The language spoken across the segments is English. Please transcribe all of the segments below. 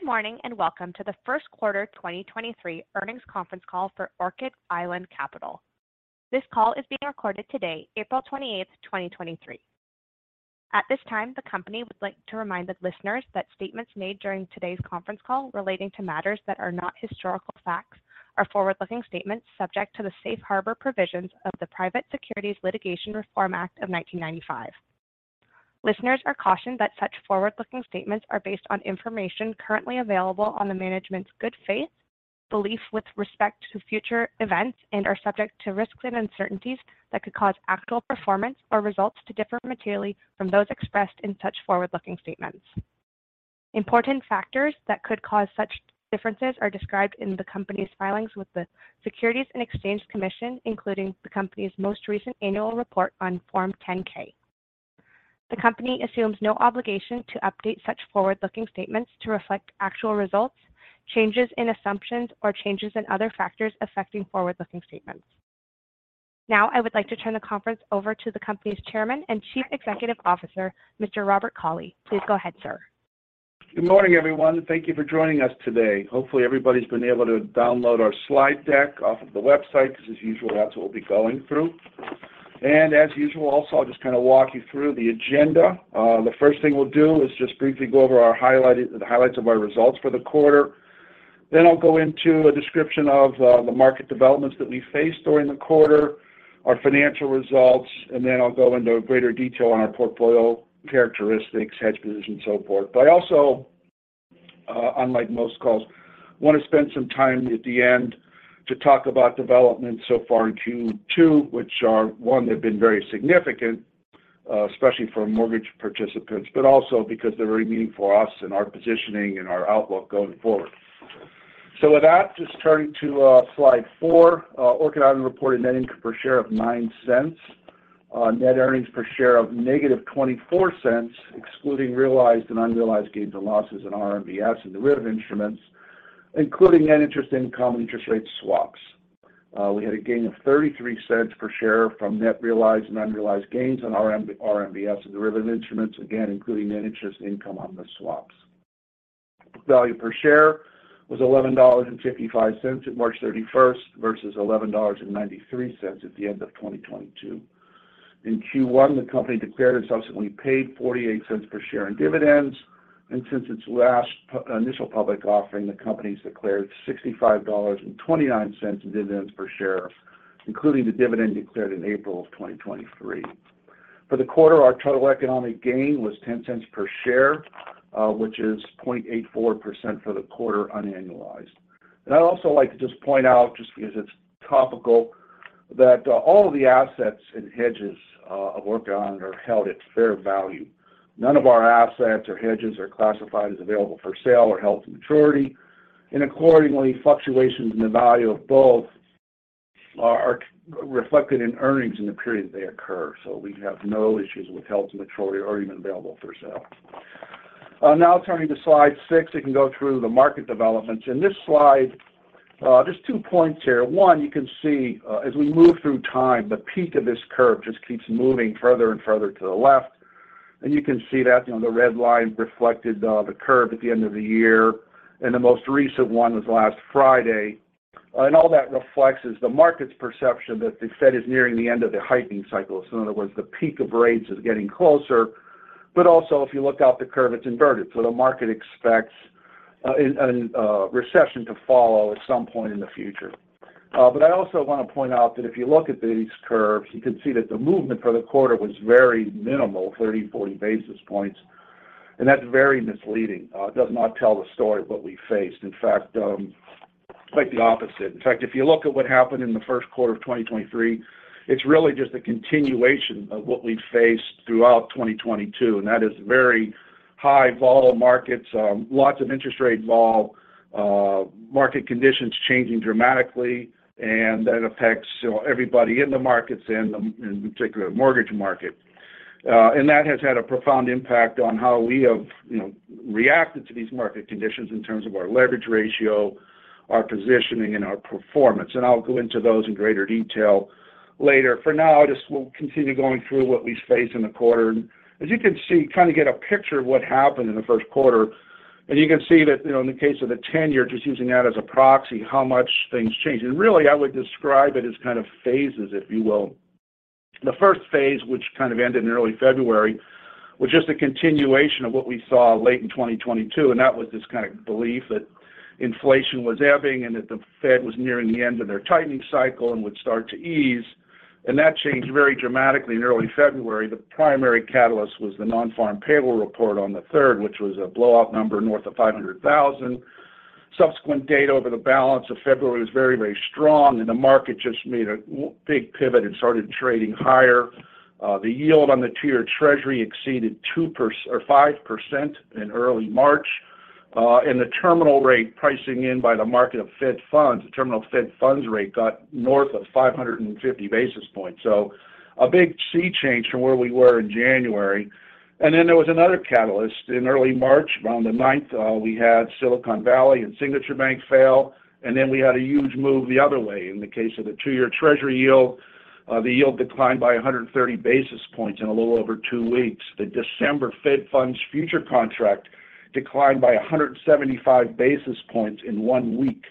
Good morning, and welcome to the first quarter 2023 earnings conference call for Orchid Island Capital. This call is being recorded today, April 28th, 2023. At this time, the company would like to remind the listeners that statements made during today's conference call relating to matters that are not historical facts are forward-looking statements subject to the safe harbor provisions of the Private Securities Litigation Reform Act of 1995. Listeners are cautioned that such forward-looking statements are based on information currently available on the management's good faith belief with respect to future events and are subject to risks and uncertainties that could cause actual performance or results to differ materially from those expressed in such forward-looking statements. Important factors that could cause such differences are described in the company's filings with the Securities and Exchange Commission, including the company's most recent annual report on Form 10-K. The company assumes no obligation to update such forward-looking statements to reflect actual results, changes in assumptions, or changes in other factors affecting forward-looking statements. Now, I would like to turn the conference over to the company's Chairman and Chief Executive Officer, Mr. Robert Cauley. Please go ahead, sir. Good morning, everyone. Thank you for joining us today. Hopefully, everybody's been able to download our slide deck off of the website because as usual, that's what we'll be going through. As usual, also, I'll just kind of walk you through the agenda. The first thing we'll do is just briefly go over the highlights of our results for the quarter. I'll go into a description of the market developments that we faced during the quarter, our financial results, and then I'll go into greater detail on our portfolio characteristics, hedge positions, and so forth. I also, unlike most calls, want to spend some time at the end to talk about developments so far in Q2, which are... One, they've been very significant, especially for mortgage participants, but also because they're very meaningful for us and our positioning and our outlook going forward. With that, just turning to slide 4, Orchid Island reported net income per share of $0.09. Net earnings per share of -$0.24, excluding realized and unrealized gains and losses in RMBS and derivative instruments, including net interest income and interest rate swaps. We had a gain of $0.33 per share from net realized and unrealized gains on RMBS and derivative instruments, again, including net interest income on the swaps. Book value per share was $11.55 at March 31st versus $11.93 at the end of 2022. In Q1, the company declared and subsequently paid $0.48 per share in dividends. Since its last initial public offering, the company's declared $65.29 in dividends per share, including the dividend declared in April of 2023. For the quarter, our total economic gain was $0.10 per share, which is 0.84% for the quarter unannualized. I'd also like to just point out, just because it's topical, that all of the assets and hedges of Orchid Island are held at fair value. None of our assets or hedges are classified as available for sale or held to maturity, and accordingly, fluctuations in the value of both are reflected in earnings in the period they occur. We have no issues with held to maturity or even available for sale. Now turning to slide 6, we can go through the market developments. In this slide, just two points here. One, you can see, as we move through time, the peak of this curve just keeps moving further and further to the left. You can see that, you know, the red line reflected, the curve at the end of the year, and the most recent one was last Friday. All that reflects is the market's perception that the Fed is nearing the end of their heightening cycle. In other words, the peak of rates is getting closer. Also if you look out the curve, it's inverted. The market expects a recession to follow at some point in the future. But I also want to point out that if you look at these curves, you can see that the movement for the quarter was very minimal, 30, 40 basis points, and that's very misleading. It does not tell the story of what we faced. In fact, quite the opposite. In fact, if you look at what happened in the first quarter of 2023, it's really just a continuation of what we faced throughout 2022, and that is very high volatile markets, lots of interest rate vol, market conditions changing dramatically, and that affects, you know, everybody in the markets and in particular the mortgage market. That has had a profound impact on how we have, you know, reacted to these market conditions in terms of our leverage ratio, our positioning, and our performance. I'll go into those in greater detail later. For now, we'll continue going through what we faced in the quarter. As you can see, trying to get a picture of what happened in the first quarter. You can see that, you know, in the case of the 10-year, just using that as a proxy, how much things changed. Really, I would describe it as kind of phases, if you will. The first phase, which kind of ended in early February, was just a continuation of what we saw late in 2022, and that was this kind of belief that inflation was ebbing and that the Fed was nearing the end of their tightening cycle and would start to ease. That changed very dramatically in early February. The primary catalyst was the nonfarm payroll report on the third, which was a blowup number north of 500,000. Subsequent data over the balance of February was very strong, and the market just made a big pivot and started trading higher. The yield on the two-year Treasury exceeded or 5% in early March. The terminal rate pricing in by the market of Fed Funds, the terminal Fed Funds rate got north of 550 basis points. A big sea change from where we were in January. There was another catalyst. In early March, around the 9th, we had Silicon Valley and Signature Bank fail, we had a huge move the other way. In the case of the two-year Treasury yield, the yield declined by 130 basis points in a little over two weeks. The December Fed Funds future contract declined by 175 basis points in one week.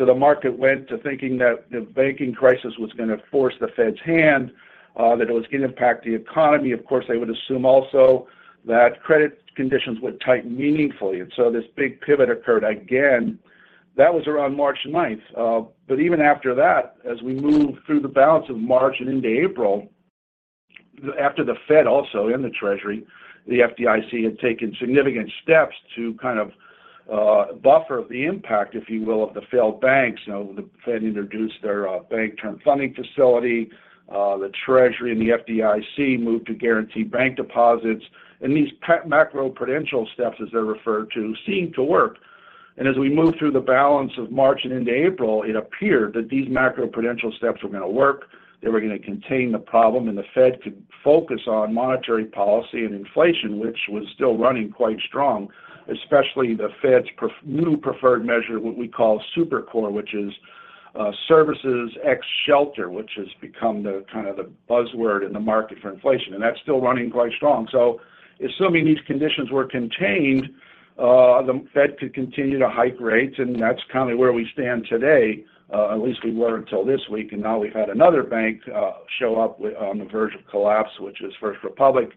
The market went to thinking that the banking crisis was gonna force the Fed's hand, that it was gonna impact the economy. Of course, they would assume also that credit conditions would tighten meaningfully. This big pivot occurred again. That was around March 9th. But even after that, as we moved through the balance of March and into April, after the Fed also and the Treasury, the FDIC had taken significant steps to buffer the impact, if you will, of the failed banks. You know, the Fed introduced their Bank Term Funding facility. The Treasury and the FDIC moved to guarantee bank deposits. These macroprudential steps, as they're referred to, seemed to work. As we moved through the balance of March and into April, it appeared that these macroprudential steps were gonna work, they were gonna contain the problem, and the Fed could focus on monetary policy and inflation, which was still running quite strong, especially the Fed's new preferred measure, what we call supercore, which is services ex shelter, which has become the kind of the buzzword in the market for inflation. That's still running quite strong. Assuming these conditions were contained, the Fed could continue to hike rates, that's kind of where we stand today, at least we were until this week, now we've had another bank show up on the verge of collapse, which is First Republic.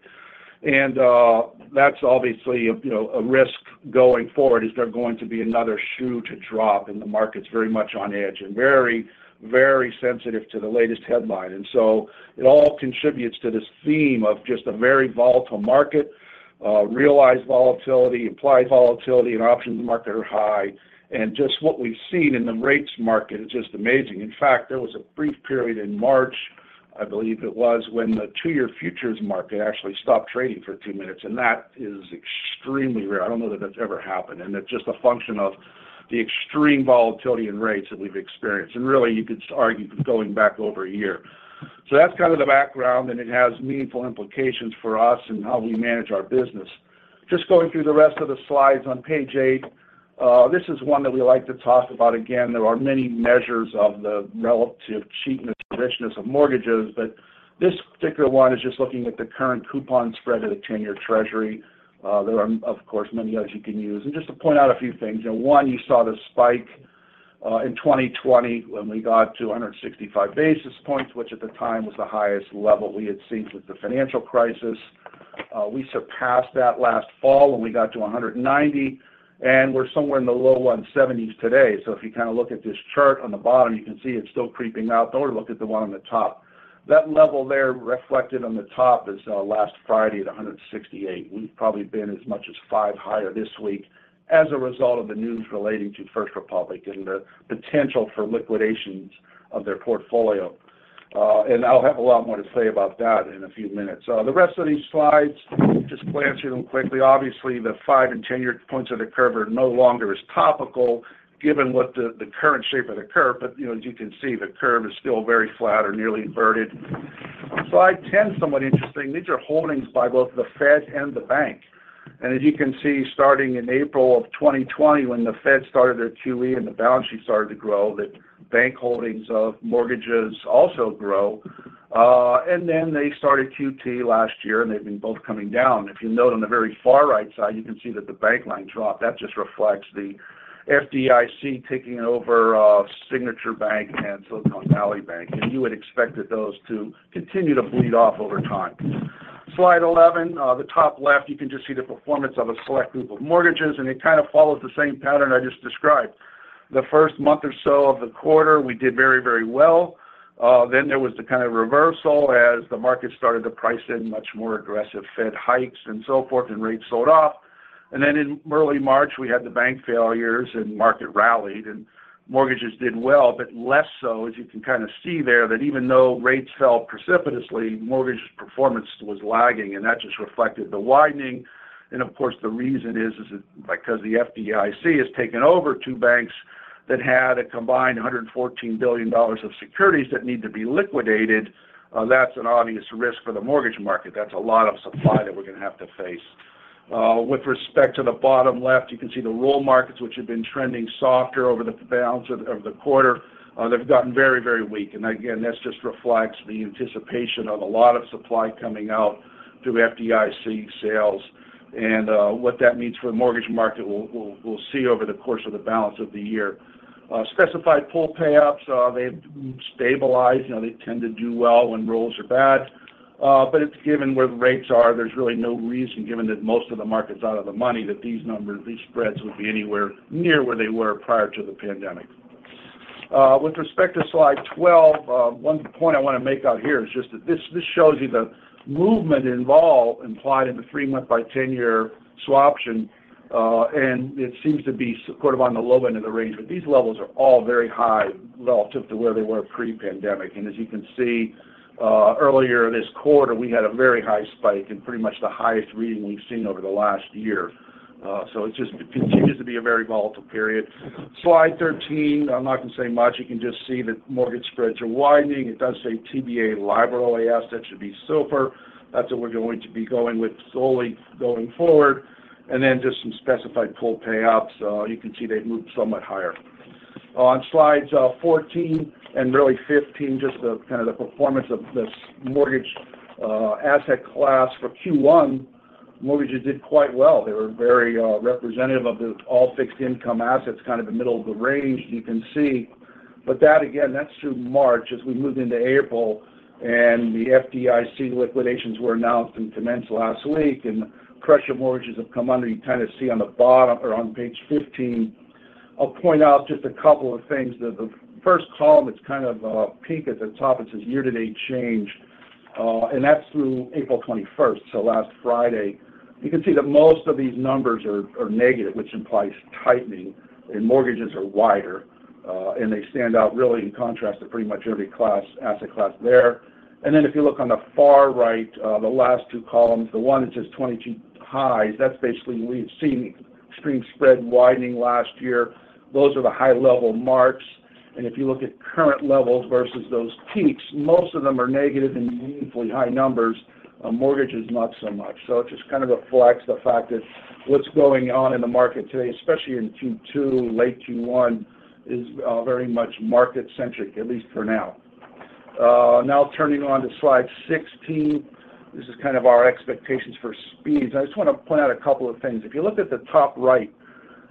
That's obviously, you know, a risk going forward. Is there going to be another shoe to drop? The market's very much on edge and very, very sensitive to the latest headline. It all contributes to this theme of just a very volatile market, realized volatility, implied volatility, and options market are high. Just what we've seen in the rates market is just amazing. In fact, there was a brief period in March, I believe it was, when the 2-year futures market actually stopped trading for 2 minutes, and that is extremely rare. I don't know that that's ever happened. It's just a function of the extreme volatility in rates that we've experienced. Really you could argue going back over a year. That's kind of the background, and it has meaningful implications for us and how we manage our business. Just going through the rest of the slides on page 8, this is one that we like to talk about. Again, there are many measures of the relative cheapness or richness of mortgages, but this particular one is just looking at the current coupon spread of the 10-year Treasury. There are, of course, many others you can use. Just to point out a few things, you know, one, you saw the spike in 2020 when we got to 165 basis points, which at the time was the highest level we had seen since the financial crisis. We surpassed that last fall when we got to 190, and we're somewhere in the low 170s today. If you kind of look at this chart on the bottom, you can see it's still creeping up, or look at the 1 on the top. That level there reflected on the top is last Friday at 168. We've probably been as much as 5 higher this week as a result of the news relating to First Republic and the potential for liquidations of their portfolio. I'll have a lot more to say about that in a few minutes. The rest of these slides, just glancing them quickly. Obviously, the 5 and 10-year points of the curve are no longer as topical given what the current shape of the curve. You know, as you can see, the curve is still very flat or nearly inverted. Slide 10, somewhat interesting. These are holdings by both the Fed and the bank. As you can see, starting in April of 2020 when the Fed started their QE and the balance sheet started to grow, that bank holdings of mortgages also grow. Then they started QT last year, and they've been both coming down. If you note on the very far right side, you can see that the bank line dropped. That just reflects the FDIC taking over, Signature Bank and Silicon Valley Bank, and you would expect that those two continue to bleed off over time. Slide 11. The top left, you can just see the performance of a select group of mortgages, and it kind of follows the same pattern I just described. The first month or so of the quarter, we did very, very well. There was the kind of reversal as the market started to price in much more aggressive Fed hikes and so forth, and rates sold off. In early March, we had the bank failures and market rallied and mortgages did well, but less so. You can kind of see there, that even though rates fell precipitously, mortgage performance was lagging, and that just reflected the widening. Of course, the reason is it because the FDIC has taken over 2 banks that had a combined $114 billion of securities that need to be liquidated. That's an obvious risk for the mortgage market. That's a lot of supply that we're gonna have to face. With respect to the bottom left, you can see the rural markets which have been trending softer over the balance of the quarter. They've gotten very, very weak. Again, this just reflects the anticipation of a lot of supply coming out through FDIC sales, and what that means for the mortgage market we'll see over the course of the balance of the year. Specified pool payouts, they've stabilized. You know, they tend to do well when rolls are bad. Given where the rates are, there's really no reason, given that most of the market's out of the money, that these numbers, these spreads would be anywhere near where they were prior to the pandemic. With respect to slide 12, one point I want to make out here is just that this shows you the movement involved implied in the 3-month by 10-year swaption, and it seems to be sort of on the low end of the range. These levels are all very high relative to where they were pre-pandemic. As you can see, earlier this quarter we had a very high spike and pretty much the highest reading we've seen over the last year. It just continues to be a very volatile period. Slide 13, I'm not gonna say much. You can just see that mortgage spreads are widening. It does say TBA liberal assets. That should be SOFR. That's what we're going to be going with solely going forward. Just some specified pool payouts. You can see they've moved somewhat higher. On slides, 14 and really 15, just the kind of the performance of this mortgage asset class for Q1. Mortgages did quite well. They were very representative of the all fixed income assets, kind of the middle of the range you can see. That again, that's through March. We moved into April and the FDIC liquidations were announced and commenced last week, and pressure mortgages have come under, you kind of see on the bottom or on page 15. I'll point out just a couple of things. The first column is kind of peak at the top. It says year-to-date change, and that's through April 21st, so last Friday. You can see that most of these numbers are negative, which implies tightening and mortgages are wider, and they stand out really in contrast to pretty much every class, asset class there. If you look on the far right, the last two columns, the one that says 22 highs, that's basically we've seen extreme spread widening last year. Those are the high level marks. If you look at current levels versus those peaks, most of them are negative in meaningfully high numbers. A mortgage is not so much. It just kind of reflects the fact that what's going on in the market today, especially in Q2, late Q1, is very much market-centric, at least for now. Now turning on to slide 16. This is kind of our expectations for speeds. I just want to point out a couple of things. If you look at the top right,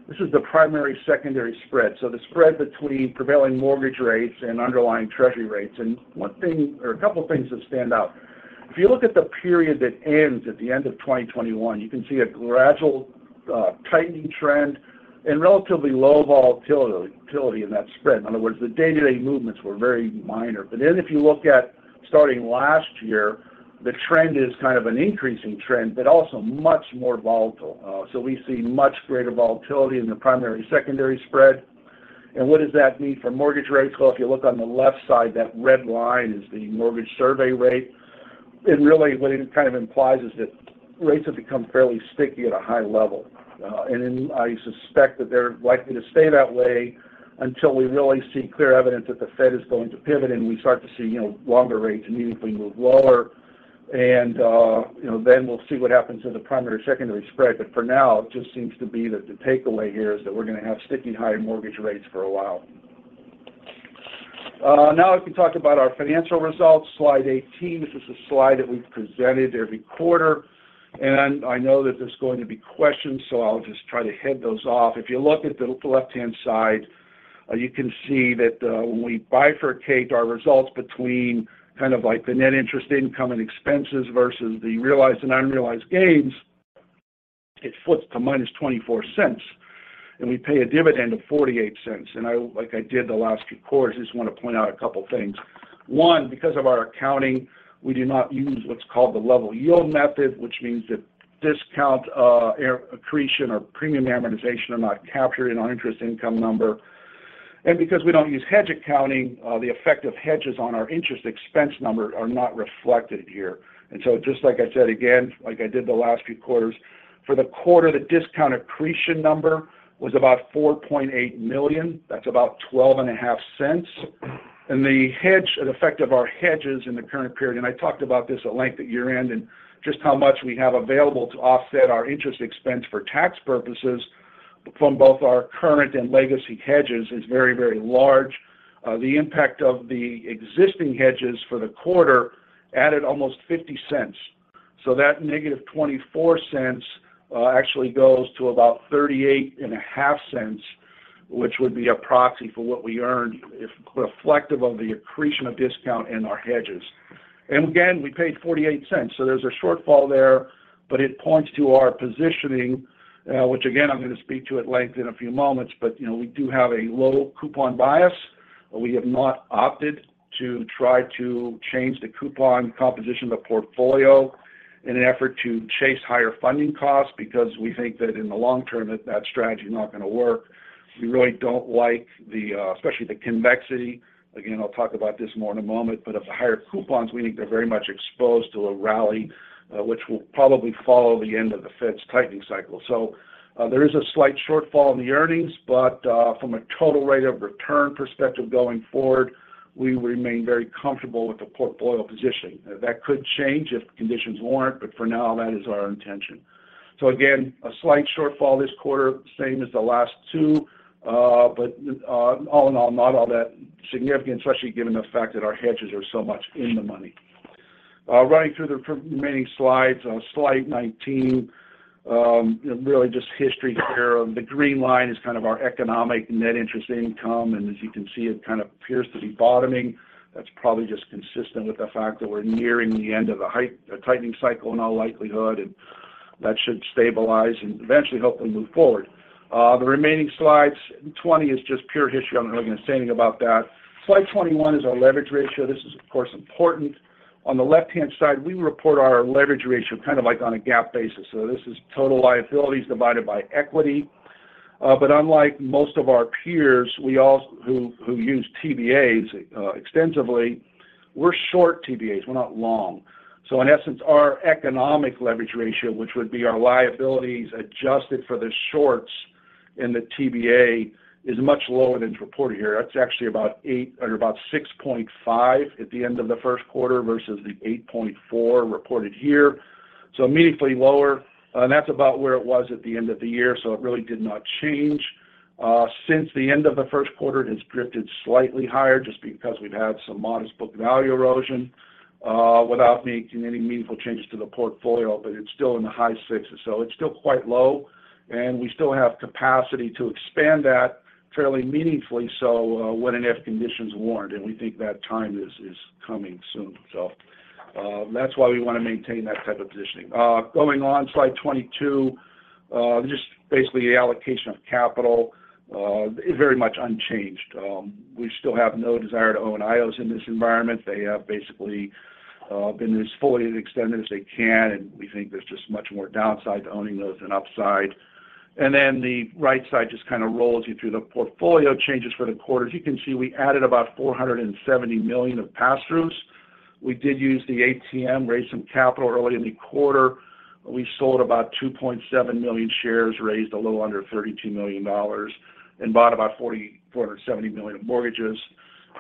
this is the primary-secondary spread, so the spread between prevailing mortgage rates and underlying Treasury rates. One thing or a couple of things that stand out. If you look at the period that ends at the end of 2021, you can see a gradual tightening trend and relatively low volatility in that spread. In other words, the day-to-day movements were very minor. If you look at starting last year, the trend is kind of an increasing trend, but also much more volatile. We see much greater volatility in the primary-secondary spread. What does that mean for mortgage rates? Well, if you look on the left side, that red line is the mortgage survey rate. Really what it kind of implies is that rates have become fairly sticky at a high level. I suspect that they're likely to stay that way until we really see clear evidence that the Fed is going to pivot and we start to see, you know, longer rates meaningfully move lower and, you know, we'll see what happens in the primary-secondary spread. For now, it just seems to be that the takeaway here is that we're gonna have sticky high mortgage rates for a while. Now if we talk about our financial results. Slide 18. This is a slide that we've presented every quarter, and I know that there's going to be questions, so I'll just try to head those off. If you look at the left-hand side, you can see that, when we bifurcate our results between kind of like the net interest income and expenses versus the realized and unrealized gains, it flips to -$0.24, and we pay a dividend of $0.48. I, like I did the last few quarters, just want to point out a couple of things. One, because of our accounting, we do not use what's called the level yield method, which means that discount accretion or premium amortization are not captured in our interest income number. Because we don't use hedge accounting, the effect of hedges on our interest expense number are not reflected here. Just like I said again, like I did the last few quarters, for the quarter, the discount accretion number was about $4.8 million. That's about $0.125. The effect of our hedges in the current period, I talked about this at length at year-end, just how much we have available to offset our interest expense for tax purposes from both our current and legacy hedges is very, very large. The impact of the existing hedges for the quarter added almost $0.50. That negative $0.24 actually goes to about $0.38 and a half cents, which would be a proxy for what we earned if reflective of the accretion of discount in our hedges. Again, we paid $0.48. There's a shortfall there, but it points to our positioning, which again, I'm going to speak to at length in a few moments. You know, we do have a low coupon bias. We have not opted to try to change the coupon composition of the portfolio in an effort to chase higher funding costs because we think that in the long term, that strategy is not going to work. We really don't like the especially the convexity. Again, I'll talk about this more in a moment, but of the higher coupons, we think they're very much exposed to a rally, which will probably follow the end of the Fed's tightening cycle. There is a slight shortfall in the earnings, but from a total rate of return perspective going forward, we remain very comfortable with the portfolio position. That could change if conditions warrant, but for now, that is our intention. Again, a slight shortfall this quarter, same as the last two. All in all, not all that significant, especially given the fact that our hedges are so much in the money. Running through the remaining slides. Slide 19. Really just history here. The green line is kind of our economic net interest income, and as you can see, it kind of appears to be bottoming. That's probably just consistent with the fact that we're nearing the end of a tightening cycle in all likelihood, that should stabilize and eventually help them move forward. The remaining slides, 20, is just pure history. I'm not going to say anything about that. Slide 21 is our leverage ratio. This is, of course, important. On the left-hand side, we report our leverage ratio kind of like on a GAAP basis. This is total liabilities divided by equity. Unlike most of our peers, who use TBAs extensively, we're short TBAs. We're not long. In essence, our economic leverage ratio, which would be our liabilities adjusted for the shorts in the TBA, is much lower than it's reported here. That's actually about 8 or about 6.5 at the end of the first quarter versus the 8.4 reported here. Meaningfully lower, and that's about where it was at the end of the year. It really did not change. Since the end of the first quarter, it has drifted slightly higher just because we've had some modest book value erosion, without making any meaningful changes to the portfolio, but it's still in the high 60s. It's still quite low, and we still have capacity to expand that fairly meaningfully so, when and if conditions warrant, and we think that time is coming soon. That's why we wanna maintain that type of positioning. Going on slide 22, just basically the allocation of capital, is very much unchanged. We still have no desire to own IOs in this environment. They have basically been as fully extended as they can, and we think there's just much more downside to owning those than upside. The right side just kind of rolls you through the portfolio changes for the quarter. As you can see, we added about $470 million of pass-throughs. We did use the ATM, raised some capital early in the quarter. We sold about 2.7 million shares, raised a little under $32 million and bought about $470 million of mortgages,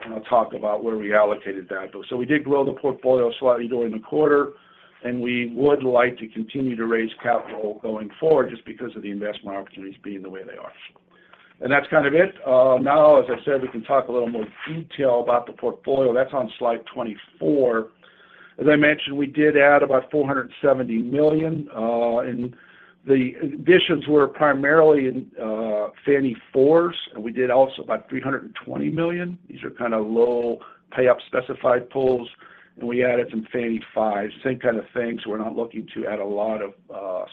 and I'll talk about where we allocated that. We did grow the portfolio slightly during the quarter, and we would like to continue to raise capital going forward just because of the investment opportunities being the way they are. That's kind of it. Now, as I said, we can talk a little more detail about the portfolio. That's on slide 24. As I mentioned, we did add about $470 million. The additions were primarily in Fannie 4s, and we did also about $320 million. These are kind of low pay-up specified pools. We added some Fannie 5s, same kind of thing, so we're not looking to add a lot of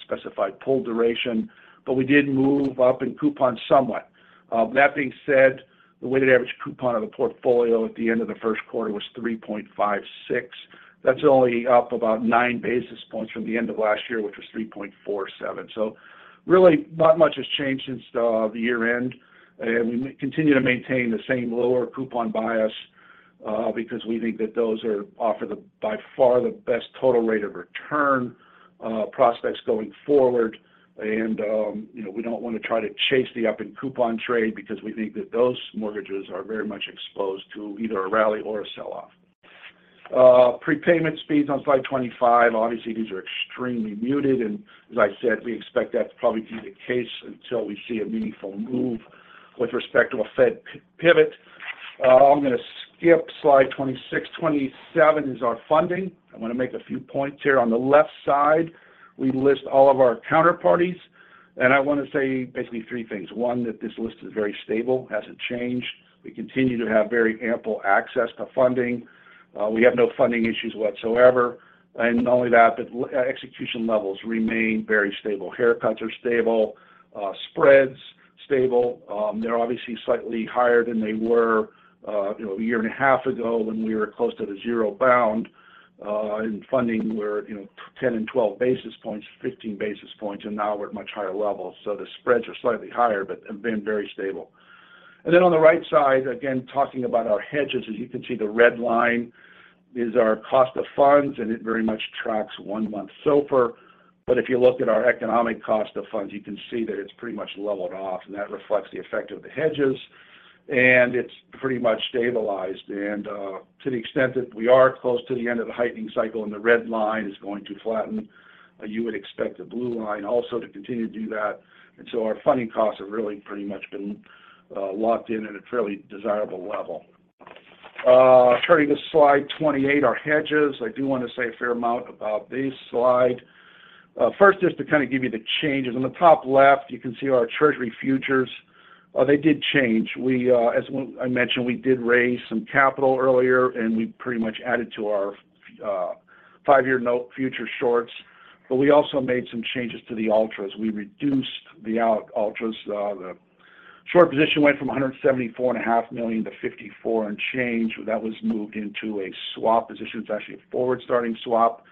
specified pool duration, but we did move up in coupon somewhat. That being said, the weighted average coupon of the portfolio at the end of the first quarter was 3.56. That's only up about 9 basis points from the end of last year, which was 3.47. Really not much has changed since the year-end. We continue to maintain the same lower coupon bias, because we think that those are offer the by far the best total rate of return, prospects going forward. You know, we don't wanna try to chase the up in coupon trade because we think that those mortgages are very much exposed to either a rally or a sell-off. Prepayment speeds on slide 25. Obviously, these are extremely muted, and as I said, we expect that to probably be the case until we see a meaningful move with respect to a Fed pivot. I'm gonna skip slide 26. 27 is our funding. I wanna make a few points here. On the left side, we list all of our counterparties, and I wanna say basically three things. One, that this list is very stable, hasn't changed. We continue to have very ample access to funding. We have no funding issues whatsoever. Not only that, but execution levels remain very stable. Haircuts are stable, spreads, stable. They're obviously slightly higher than they were, you know, a year and a half ago when we were close to the zero bound, in funding were, you know, 10 and 12 basis points, 15 basis points, and now we're at much higher levels. The spreads are slightly higher, but have been very stable. On the right side, again, talking about our hedges, as you can see, the red line is our cost of funds, and it very much tracks one-month SOFR. If you look at our economic cost of funds, you can see that it's pretty much leveled off, and that reflects the effect of the hedges, and it's pretty much stabilized. To the extent that we are close to the end of the heightening cycle and the red line is going to flatten, you would expect the blue line also to continue to do that. Our funding costs have really pretty much been locked in at a fairly desirable level. Turning to slide 28, our hedges. I do want to say a fair amount about this slide. First, just to kind of give you the changes. On the top left, you can see our Treasury futures. They did change. We, as I mentioned, we did raise some capital earlier, and we pretty much added to our 5-year note future shorts, but we also made some changes to the ultras. We reduced the ultras. The short position went from $174.5 million to $54 and change. That was moved into a swap position. It's actually a forward starting swap.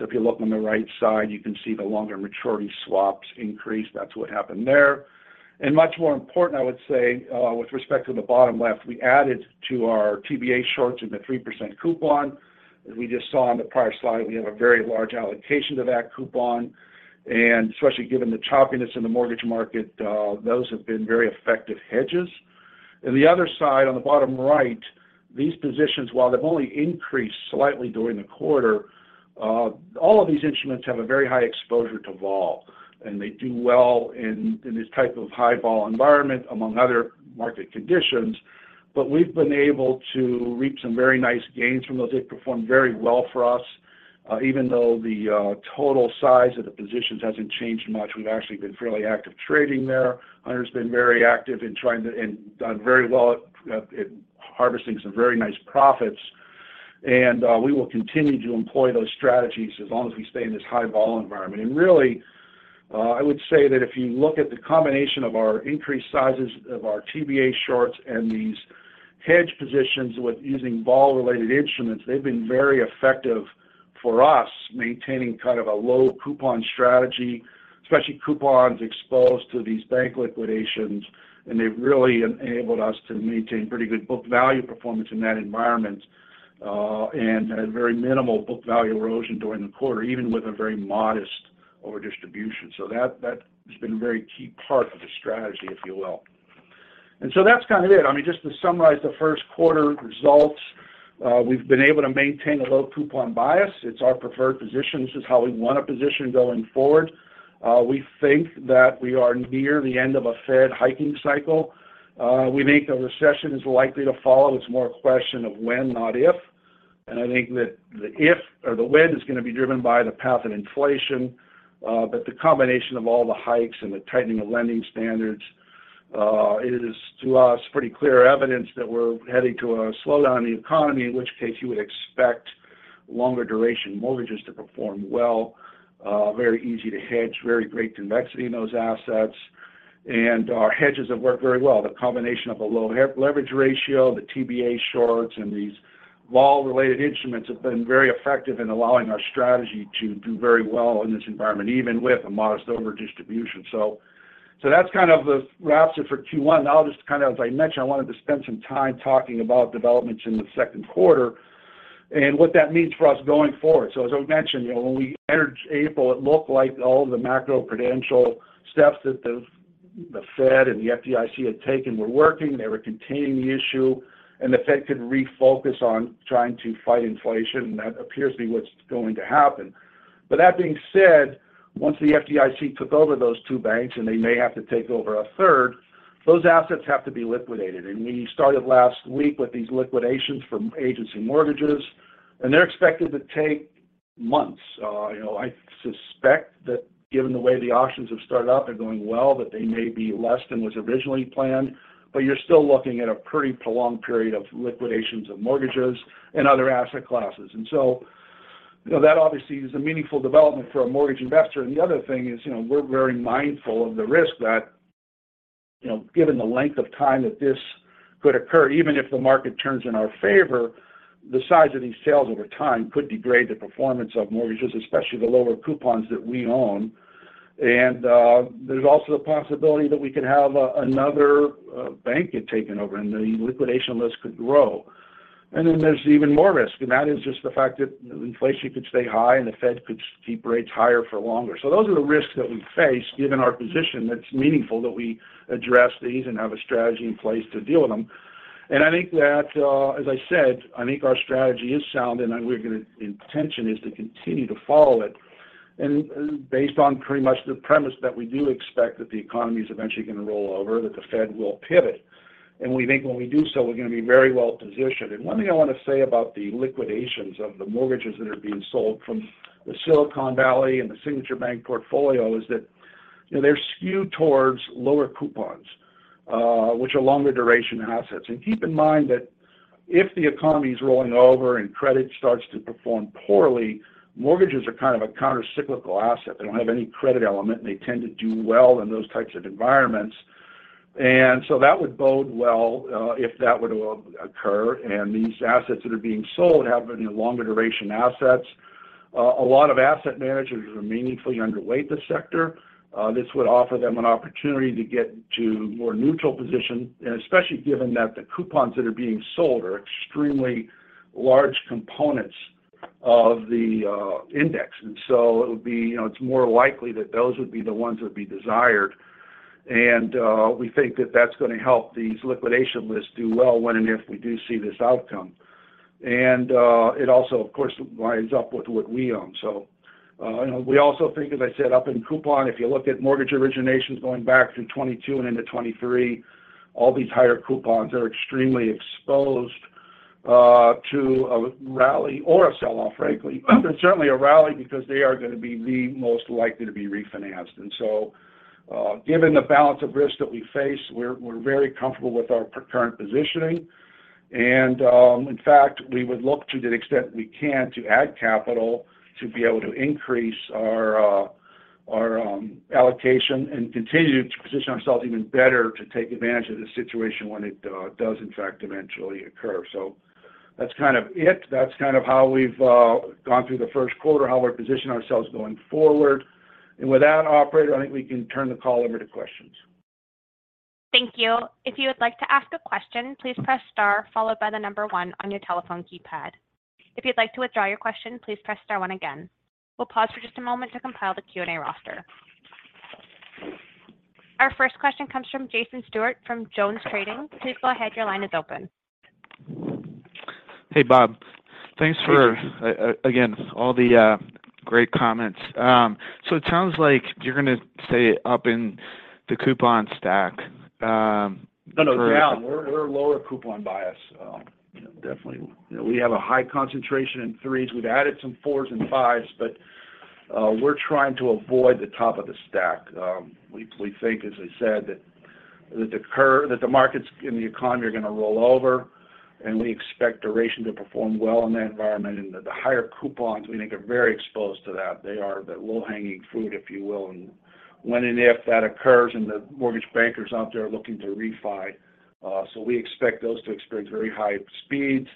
If you look on the right side, you can see the longer maturity swaps increased. That's what happened there. Much more important, I would say, with respect to the bottom left, we added to our TBA shorts in the 3% coupon. As we just saw on the prior slide, we have a very large allocation to that coupon. Especially given the choppiness in the mortgage market, those have been very effective hedges. In the other side, on the bottom right, these positions, while they've only increased slightly during the quarter, all of these instruments have a very high exposure to vol, and they do well in this type of high vol environment among other market conditions. We've been able to reap some very nice gains from those. They've performed very well for us. Even though the total size of the positions hasn't changed much, we've actually been fairly active trading there. Hunter's been very active and done very well at harvesting some very nice profits. We will continue to employ those strategies as long as we stay in this high vol environment. Really, I would say that if you look at the combination of our increased sizes of our TBA shorts and these hedge positions with using vol-related instruments, they've been very effective for us maintaining kind of a low coupon strategy, especially coupons exposed to these bank liquidations. They've really enabled us to maintain pretty good book value performance in that environment, and a very minimal book value erosion during the quarter, even with a very modest overdistribution. That, that has been a very key part of the strategy, if you will. That's kind of it. I mean, just to summarize the first quarter results, we've been able to maintain a low coupon bias. It's our preferred position. This is how we wanna position going forward. We think that we are near the end of a Fed hiking cycle. We think a recession is likely to follow. It's more a question of when, not if. I think that the if or the when is gonna be driven by the path of inflation, but the combination of all the hikes and the tightening of lending standards, it is to us pretty clear evidence that we're heading to a slowdown in the economy, in which case you would expect longer duration mortgages to perform well, very easy to hedge, very great convexity in those assets. Our hedges have worked very well. The combination of a low leverage ratio, the TBA shorts, and these law-related instruments have been very effective in allowing our strategy to do very well in this environment, even with a modest overdistribution. So that's kind of the wrap for Q1. Just to kind of, as I mentioned, I wanted to spend some time talking about developments in the second quarter and what that means for us going forward. As I mentioned, you know, when we entered April, it looked like all of the macroprudential steps that the Fed and the FDIC had taken were working. They were containing the issue, and the Fed could refocus on trying to fight inflation. That appears to be what's going to happen. That being said, once the FDIC took over those 2 banks, and they may have to take over a third, those assets have to be liquidated. We started last week with these liquidations from agency mortgages, and they're expected to take months. You know, I suspect that given the way the auctions have started out, they're going well, but they may be less than was originally planned. You're still looking at a pretty prolonged period of liquidations of mortgages and other asset classes. You know, that obviously is a meaningful development for a mortgage investor. The other thing is, you know, we're very mindful of the risk that, you know, given the length of time that this could occur, even if the market turns in our favor, the size of these sales over time could degrade the performance of mortgages, especially the lower coupons that we own. There's also the possibility that we could have another bank get taken over and the liquidation list could grow. There's even more risk, and that is just the fact that inflation could stay high and the Fed could keep rates higher for longer. Those are the risks that we face given our position. It's meaningful that we address these and have a strategy in place to deal with them. I think that, as I said, I think our strategy is sound and the intention is to continue to follow it and based on pretty much the premise that we do expect that the economy's eventually gonna roll over, that the Fed will pivot. We think when we do so, we're gonna be very well positioned. One thing I want to say about the liquidations of the mortgages that are being sold from the Silicon Valley and the Signature Bank portfolio is that, you know, they're skewed towards lower coupons, which are longer duration assets. Keep in mind that if the economy's rolling over and credit starts to perform poorly, mortgages are kind of a countercyclical asset. They don't have any credit element, and they tend to do well in those types of environments. That would bode well, if that were to occur, and these assets that are being sold have been longer duration assets. A lot of asset managers are meaningfully underweight this sector. This would offer them an opportunity to get to more neutral position, and especially given that the coupons that are being sold are extremely large components of the index. It would be, you know, it's more likely that those would be the ones that would be desired. We think that that's gonna help these liquidation lists do well when and if we do see this outcome. It also, of course, lines up with what we own. You know, we also think, as I said, up in coupon, if you look at mortgage originations going back through 2022 and into 2023, all these higher coupons are extremely exposed to a rally or a sell-off, frankly. Certainly a rally because they are gonna be the most likely to be refinanced. Given the balance of risk that we face, we're very comfortable with our current positioning. In fact, we would look to the extent we can to add capital to be able to increase our allocation and continue to position ourselves even better to take advantage of the situation when it does in fact eventually occur. That's kind of it. That's kind of how we've gone through the first quarter, how we position ourselves going forward. With that, operator, I think we can turn the call over to questions. Thank you. If you would like to ask a question, please press star followed by the number 1 on your telephone keypad. If you'd like to withdraw your question, please press star 1 again. We'll pause for just a moment to compile the Q&A roster. Our first question comes from Jason Stewart from JonesTrading. Please go ahead, your line is open. Hey, Jason. Hey, Bob. Thanks for again, all the great comments. It sounds like you're gonna stay up in the coupon stack. No, no, down. We're lower coupon bias. Definitely. You know, we have a high concentration in 3s. We've added some 4s and 5s, but we're trying to avoid the top of the stack. We think, as I said, that the markets and the economy are gonna roll over, and we expect duration to perform well in that environment. The higher coupons we think are very exposed to that. They are the low-hanging fruit, if you will. When and if that occurs, and the mortgage bankers out there are looking to refi. We expect those to experience very high speeds.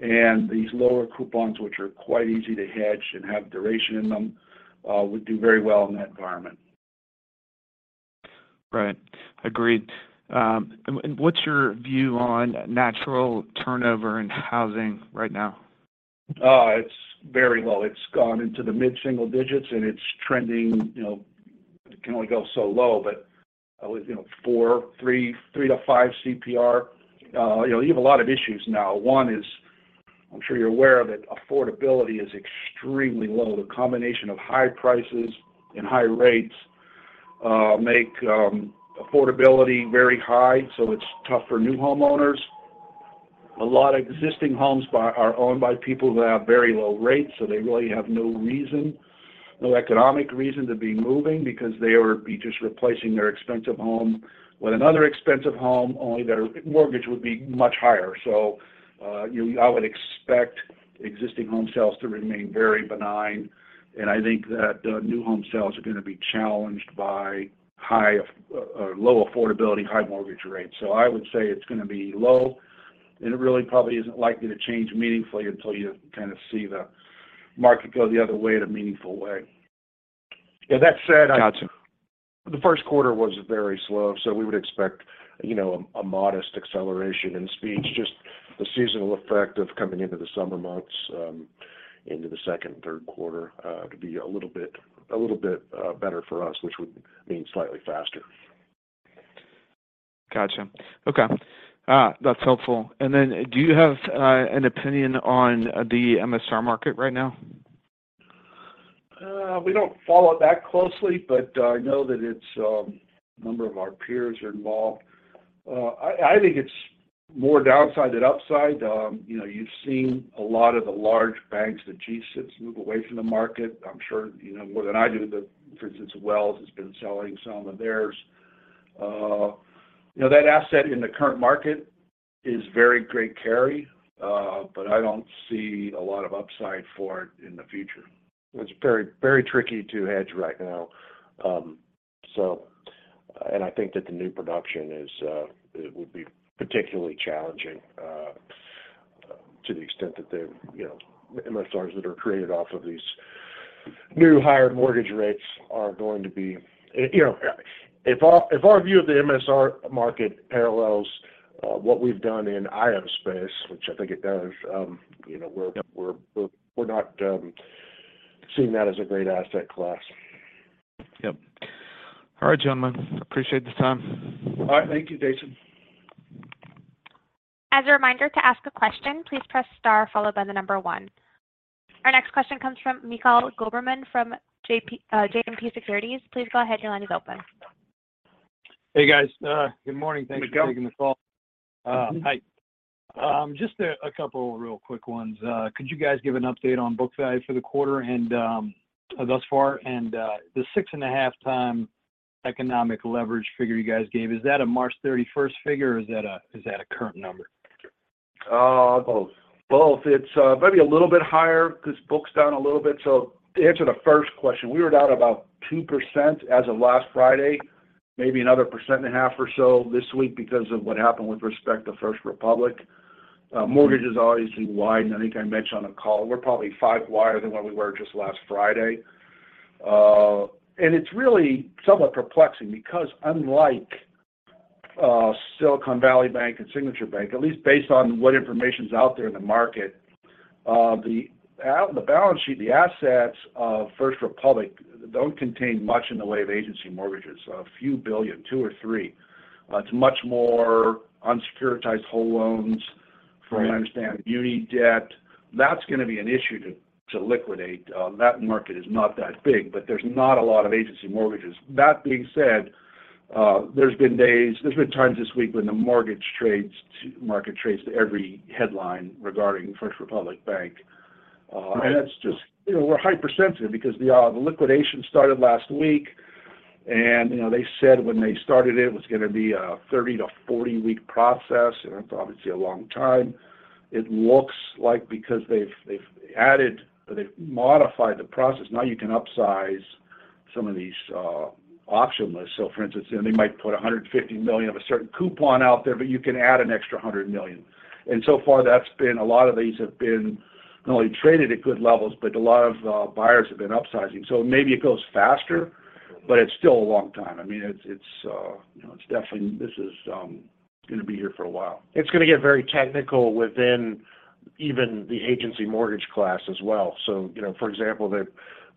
These lower coupons, which are quite easy to hedge and have duration in them, would do very well in that environment. Right. Agreed. What's your view on natural turnover in housing right now? It's very low. It's gone into the mid-single digits. It's trending, you know, it can only go so low. You know, four, three, 3-5 CPR. You know, you have a lot of issues now. One is, I'm sure you're aware of it, affordability is extremely low. The combination of high prices and high rates, make affordability very high. It's tough for new homeowners. A lot of existing homes are owned by people who have very low rates. They really have no reason, no economic reason to be moving because they would be just replacing their expensive home with another expensive home, only their mortgage would be much higher. I would expect existing home sales to remain very benign, and I think that new home sales are gonna be challenged by low affordability, high mortgage rates. I would say it's gonna be low, and it really probably isn't likely to change meaningfully until you kind of see the market go the other way in a meaningful way. With that said. Gotcha. The first quarter was very slow. We would expect, you know, a modest acceleration in speed. Just the seasonal effect of coming into the summer months, into the second and third quarter, to be a little bit better for us, which would mean slightly faster. Gotcha. Okay. that's helpful. Then do you have an opinion on the MSR market right now? We don't follow it that closely, but I know that it's a number of our peers are involved. I think it's more downside than upside. You know, you've seen a lot of the large banks, the G-SIBs move away from the market. I'm sure you know more than I do that, for instance, Wells has been selling some of theirs. You know, that asset in the current market is very great carry, but I don't see a lot of upside for it in the future. It's very, very tricky to hedge right now. I think that the new production is, it would be particularly challenging, to the extent that they're, you know, MSRs that are created off of these new higher mortgage rates are going to be... You know, if our, if our view of the MSR market parallels, what we've done in IO space, which I think it does, you know,... Yep we're not seeing that as a great asset class. Yep. All right, gentlemen. Appreciate the time. All right. Thank you, Jason. As a reminder to ask a question, please press star followed by 1. Our next question comes from Mikhail Goberman from JMP Securities. Please go ahead. Your line is open. Hey, guys. good morning. Mikhail. Thanks for taking the call. Mm-hmm. Hi. Just a couple real quick ones. Could you guys give an update on book value for the quarter and thus far? The 6.5x economic leverage figure you guys gave, is that a March 31st figure, or is that a current number? Uh- Both. Both. It's maybe a little bit higher 'cause book's down a little bit. To answer the first question, we were down about 2% as of last Friday, maybe another 1.5% or so this week because of what happened with respect to First Republic. Mortgages obviously widened. I think I mentioned on the call we're probably 5 wider than where we were just last Friday. And it's really somewhat perplexing because unlike Silicon Valley Bank and Signature Bank, at least based on what information's out there in the market, the balance sheet, the assets of First Republic don't contain much in the way of agency mortgages, a few billion, $2 billion-$3 billion. It's much more unsecuritized whole loans. We understand.... uni debt. That's gonna be an issue to liquidate. That market is not that big, but there's not a lot of agency mortgages. That being said, there's been days... there's been times this week when the mortgage market trades to every headline regarding First Republic Bank. That's just... You know, we're hypersensitive because the liquidation started last week and, you know, they said when they started it was gonna be a 30 to 40-week process, and that's obviously a long time. It looks like because they've added or they've modified the process, now you can upsize some of these auction lists. For instance, you know, they might put $150 million of a certain coupon out there, but you can add an extra $100 million. And so far that's been... a lot of these have been not only traded at good levels, but a lot of buyers have been upsizing. Maybe it goes faster, but it's still a long time. I mean, it's, you know, this is gonna be here for a while. It's gonna get very technical within even the agency mortgage class as well. You know, for example,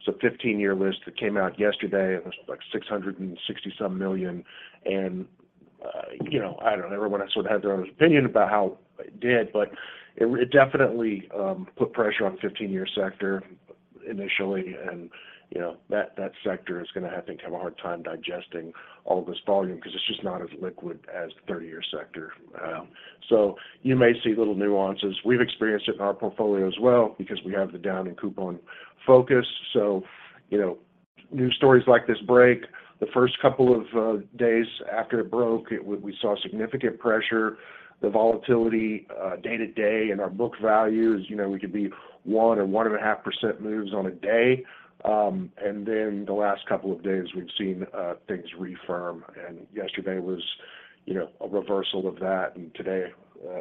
so 15-year list that came out yesterday, it was like $660-some million. You know, I don't know, everyone else would have their own opinion about how it did, but it definitely put pressure on 15-year sector initially. You know, that sector is gonna have, I think, have a hard time digesting all this volume 'cause it's just not as liquid as the 30-year sector. So you may see little nuances. We've experienced it in our portfolio as well because we have the down in coupon focus. So, you know, news stories like this break, the first couple of days after it broke, we saw significant pressure. The volatility, day to day in our book values, you know, we could be 1 or 1.5% moves on a day. And then, the last couple of days we've seen things refirm. Yesterday was, you know, a reversal of that. Today,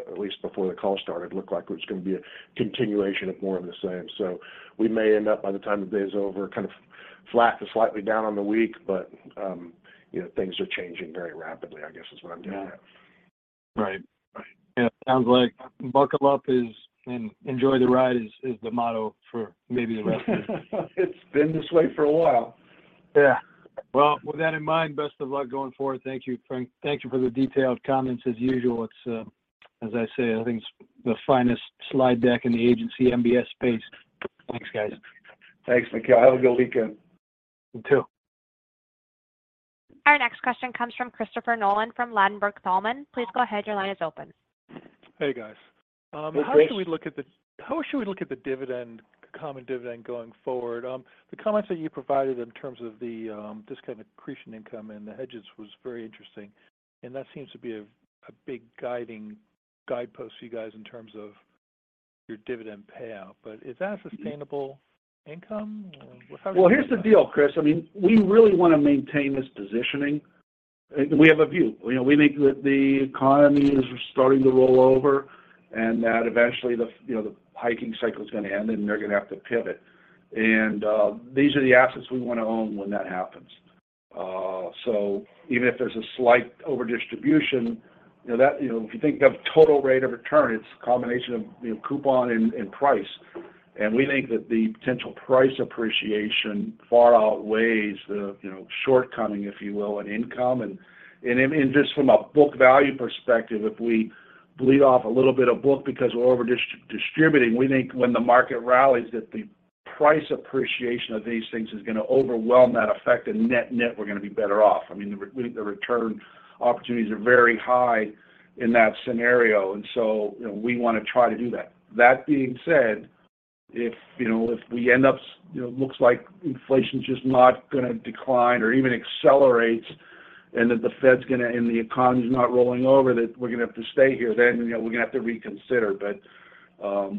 at least before the call started, looked like it was gonna be a continuation of more of the same. So we may end up, by the time the day is over, kind of flat to slightly down on the week. But um, you know, things are changing very rapidly, I guess, is what I'm getting at. Right. Right. Yeah. Sounds like buckle up is, and enjoy the ride is the motto for maybe the rest of the It's been this way for a while. Yeah. Well, with that in mind, best of luck going forward. Thank you, Frank. Thank you for the detailed comments as usual. It's as I say, I think it's the finest slide deck in the agency MBS space. Thanks, guys. Thanks, Mikhail. Have a good weekend. You too. Our next question comes from Christopher Nolan from Ladenburg Thalmann. Please go ahead. Your line is open. Hey, guys. Hey, Chris. How should we look at the dividend, common dividend going forward? The comments that you provided in terms of the discount accretion income and the hedges was very interesting, and that seems to be a big guiding guidepost for you guys in terms of your dividend payout. Is that a sustainable income? Well, here's the deal, Chris. I mean, we really wanna maintain this positioning. We have a view. You know, we think that the economy is starting to roll over and that eventually, you know, the hiking cycle is gonna end, and they're gonna have to pivot. These are the assets we wanna own when that happens. Even if there's a slight overdistribution, you know, if you think of total rate of return, it's a combination of, you know, coupon and price. We think that the potential price appreciation far outweighs the, you know, shortcoming, if you will, on income. Just from a book value perspective, if we bleed off a little bit of book because we're over distributing, we think when the market rallies that the price appreciation of these things is gonna overwhelm that effect and net-net, we're gonna be better off. I mean, we think the return opportunities are very high in that scenario. You know, we wanna try to do that. That being said, if, you know, if we end up, you know, looks like inflation's just not gonna decline or even accelerates and that the Fed's gonna and the economy's not rolling over, that we're gonna have to stay here, then, you know, we're gonna have to reconsider.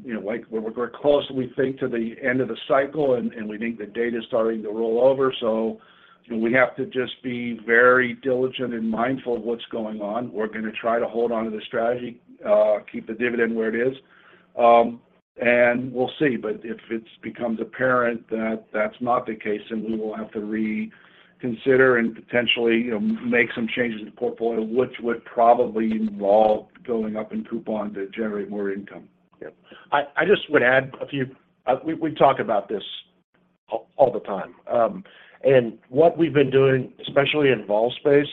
You know, like we're closely, I think, to the end of the cycle, and we think the data is starting to roll over. You know, we have to just be very diligent and mindful of what's going on. We're gonna try to hold on to the strategy, keep the dividend where it is, and we'll see. If it becomes apparent that that's not the case, then we will have to reconsider and potentially, you know, make some changes to the portfolio, which would probably involve going up in coupon to generate more income. Yeah. I just would add a few. We talk about this all the time. What we've been doing, especially in vol space,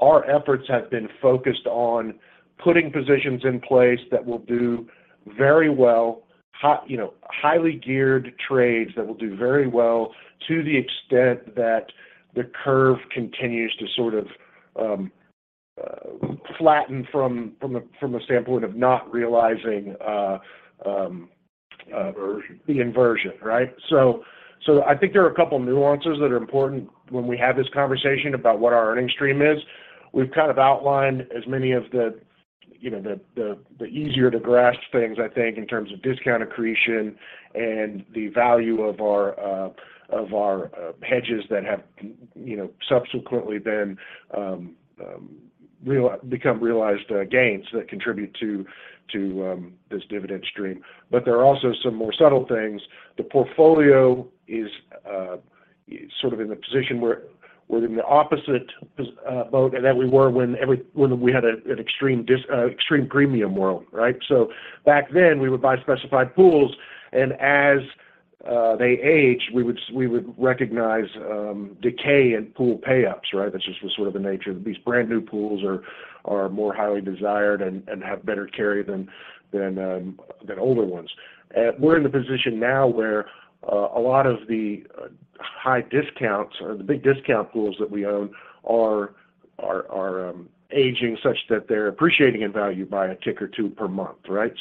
our efforts have been focused on putting positions in place that will do very well, you know, highly geared trades that will do very well to the extent that the curve continues to sort of flatten from a standpoint of not realizing. Inversion... the inversion, right? I think there are a couple nuances that are important when we have this conversation about what our earning stream is. We've kind of outlined as many of the, you know, the easier to grasp things, I think, in terms of discount accretion and the value of our hedges that have, you know, subsequently become realized gains that contribute to this dividend stream. There are also some more subtle things. The portfolio is sort of in the position where we're in the opposite boat than we were when we had an extreme premium world, right? Back then, we would buy specified pools, and as they age, we would recognize decay in pool payups, right? That's just the sort of the nature. These brand new pools are more highly desired and have better carry than older ones. We're in the position now where a lot of the high discounts or the big discount pools that we own are aging such that they're appreciating in value by a tick or two per month, right?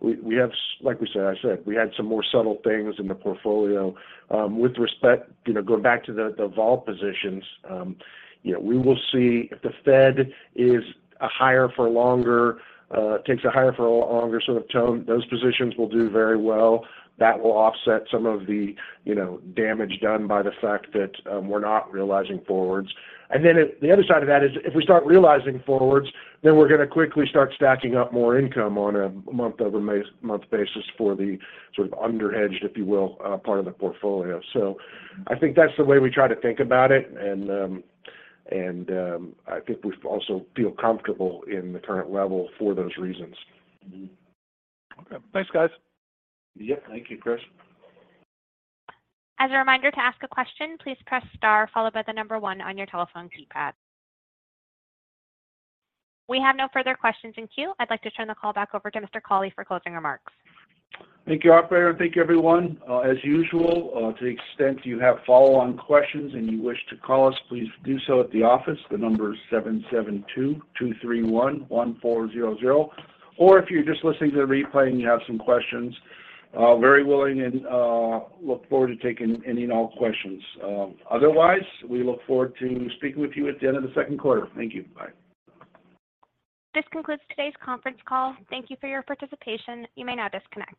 We have like we said, we had some more subtle things in the portfolio. With respect, you know, going back to the vol positions, you know, we will see if the Fed is a higher for longer, takes a higher for a longer sort of tone, those positions will do very well. That will offset some of the, you know, damage done by the fact that we're not realizing forwards. The other side of that is if we start realizing forwards, then we're gonna quickly start stacking up more income on a month over month basis for the sort of under-hedged, if you will, part of the portfolio. I think that's the way we try to think about it and, I think we also feel comfortable in the current level for those reasons. Mm-hmm. Okay. Thanks, guys. Yep. Thank you, Chris. As a reminder to ask a question, please press star followed by 1 on your telephone keypad. We have no further questions in queue. I'd like to turn the call back over to Mr. Cawley for closing remarks. Thank you, operator. Thank you, everyone. As usual, to the extent you have follow-on questions and you wish to call us, please do so at the office. The number is 7722311400. Or if you're just listening to the replay and you have some questions, very willing and look forward to taking any and all questions. Otherwise, we look forward to speaking with you at the end of the second quarter. Thank you. Bye. This concludes today's conference call. Thank you for your participation. You may now disconnect.